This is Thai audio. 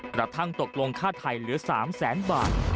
กระทั่งตกลงค่าไทยเหลือ๓แสนบาท